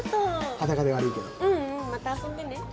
裸で悪いけどううんまた遊んでね。